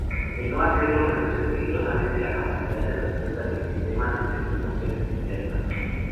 El no hacerlo reduce peligrosamente la capacidad de respuesta del sistema ante perturbaciones externas.